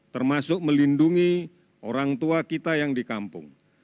termasuk melindungi orang tua kita yang di kampung